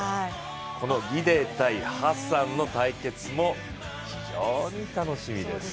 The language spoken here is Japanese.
このギデイ対ハッサンの対決も非常に楽しみです。